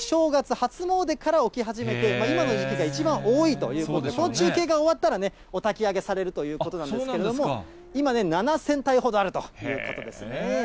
ことしのお正月、初詣から起き始めて、今の時期が一番多いということで、この中継が終わったらね、おたき上げされるということなんですけれども、今ね、７０００体ほどあるということですね。